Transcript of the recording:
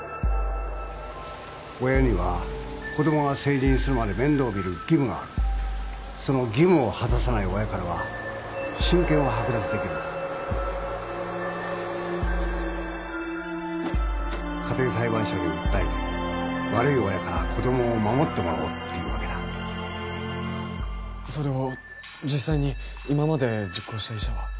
・親には子どもが成人するまで面倒をみる義務があるその義務を果たさない親からは親権をはく奪できるんだ・家庭裁判所に訴えて悪い親から子どもを守るわけだそれを実際に今まで実行した医者は？